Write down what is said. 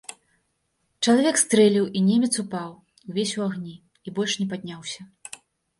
Чалавек стрэліў, і немец упаў увесь у агні, і больш не падняўся.